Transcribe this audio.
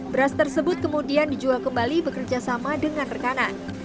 beras tersebut kemudian dijual kembali bekerjasama dengan rekanan